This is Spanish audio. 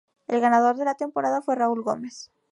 El ganador de la temporada fue Raúl Gómez.